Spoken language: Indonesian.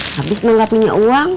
habis mengikat minyak uang